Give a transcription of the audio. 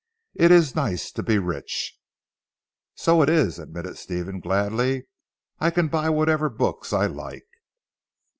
It is nice to be rich." "So it is," admitted Stephen gladly. "I can buy whatever books I like."